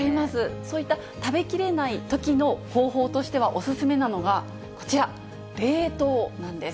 そういった食べきれないときの方法としては、お勧めなのがこちら、冷凍なんです。